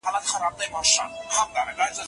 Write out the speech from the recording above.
کشران بې سلامه نه تېریږي.